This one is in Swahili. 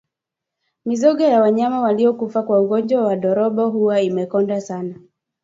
Mizoga ya wanyama waliokufa kwa ugonjwa wa ndorobo huwa imekonda sana